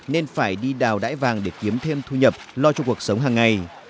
nên phải đi đào đải vàng để kiếm thêm thu nhập lo cho cuộc sống hàng ngày